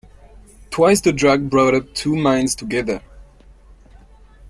Twice the drag brought up two mines together.